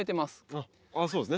ああそうですね。